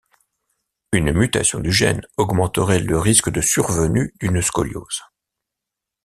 Une mutation du gène augmenterait le risque de survenue d'une scoliose.